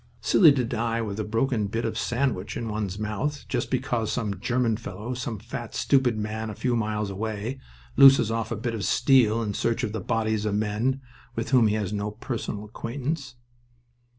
"Silly to die with a broken bit of sandwich in one's mouth, just because some German fellow, some fat, stupid man a few miles away, looses off a bit of steel in search of the bodies of men with whom he has no personal acquaintance."